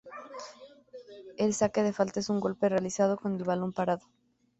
El saque de falta es un golpe realizado con el balón parado.